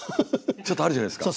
ちょっとあるじゃないですか。